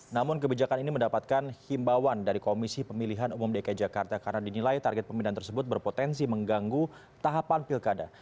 namun kebijakan ini mendapatkan himbawan dari komisi pemilihan umum dki jakarta karena dinilai target pemindahan tersebut berpotensi mengganggu tahapan pilkada